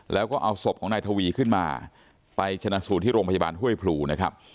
แล้วก็เอาศพของนายทวีขึ้นมาไปชนะสูตรที่โรงพยาบาลห้วยพลูนะครับ